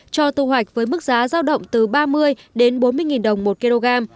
cho tư hoạch với mức giá giao động từ ba mươi đến bốn mươi nghìn đồng một kg